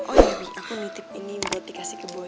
oh ya bibi aku nitip ini buat dikasih ke boy